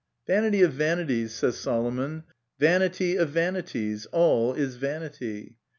"Vanity of vanities," says Solomon, "vanity of vanities, all is vanity.